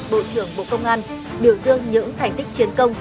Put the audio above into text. bộ trưởng bộ công an biểu dương những thành tích chiến công